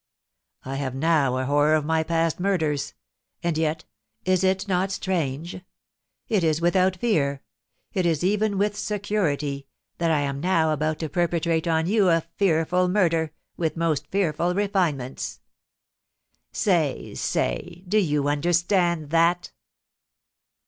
I have now a horror of my past murders; and yet, is it not strange? It is without fear, it is even with security, that I am now about to perpetrate on you a fearful murder, with most fearful refinements. Say, say! Do you understand that?"